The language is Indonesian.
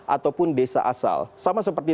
ataupun desa asal sama seperti